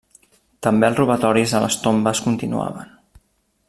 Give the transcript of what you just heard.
També els robatoris a les tombes continuaven.